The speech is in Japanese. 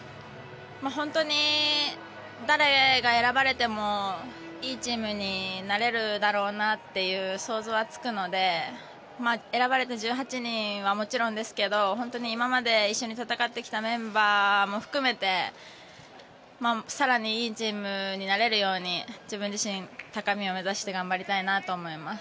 本当に誰が選ばれてもいいチームになれるだろうなって想像はつくので選ばれた１８人はもちろんですけど本当に今まで一緒に戦ってきたメンバーも含めて更にいいチームになれるように自分自身、高みを目指して頑張りたいなと思います。